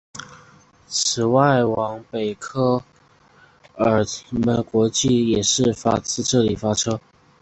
此外前往北爱尔兰贝尔法斯特的国际列车企业号也是自这里发车。